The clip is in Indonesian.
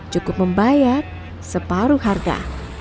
cukup membayar separuh harga